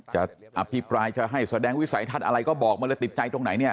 จะอภิปรายจะให้แสดงวิสัยทัศน์อะไรก็บอกมาเลยติดใจตรงไหนเนี่ย